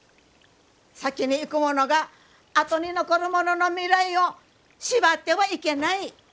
先に逝く者が後に残る者の未来を縛ってはいけない。